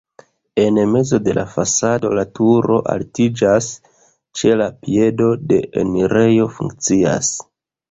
En mezo de la fasado la turo altiĝas, ĉe la piedo la enirejo funkcias.